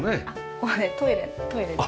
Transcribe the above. ここねトイレです。